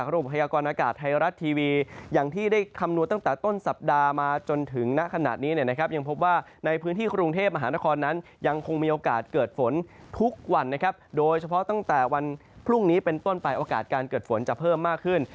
โดยเฉพาะตั้งแต่วันพรุ่งนี้เป็นต้นไปโอกาสการเกิดฝนจะเพิ่มมากขึ้น